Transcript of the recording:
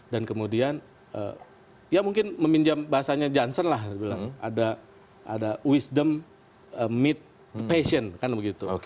dan kemudian ya mungkin meminjam bahasanya johnson lah ada wisdom meet passion kan begitu